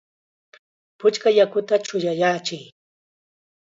¡Puchka yakuta chuyayachiy!